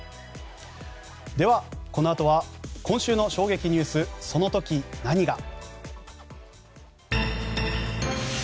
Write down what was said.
このあとは今週の衝撃ニュースその時何が。